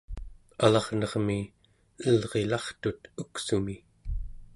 alarnermi elrilartut uksumi